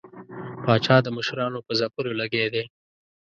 پاچا د مشرانو په ځپلو لګیا دی.